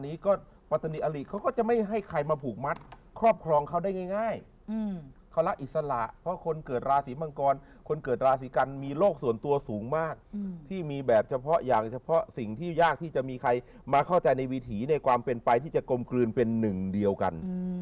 นี้ก็ปัตนิเขาก็จะไม่ให้ใครมาผูกมัดครอบครองเขาได้ง่ายเขารักอิสระเพราะคนเกิดราศีมังกรคนเกิดราศีกันมีโลกส่วนตัวสูงมากที่มีแบบเฉพาะอย่างเฉพาะสิ่งที่ยากที่จะมีใครมาเข้าใจในวิถีในความเป็นไปที่จะกลมกลืนเป็นหนึ่งเดียวกัน